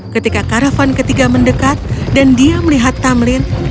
ketika karavan ketiga mendekat dan dia melihat tamlin